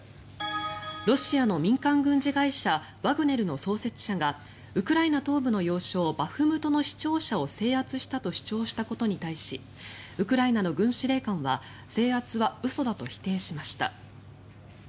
ロシアの民間軍事会社ワグネルの創設者がウクライナ東部の要衝バフムトの市庁舎を制圧したと主張したことに対しウクライナの軍司令官は制圧は嘘だと否定しました。